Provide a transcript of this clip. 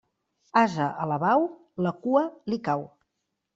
Ase alabau, la cua li cau.